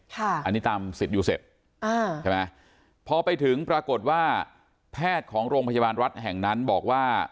อันนี้ตามสิทธิ์ยูเซฟอ่าใช่ไหมพอไปถึงปรากฏว่าแพทย์ของโรงพยาบาลรัฐแห่งนั้นบอกว่า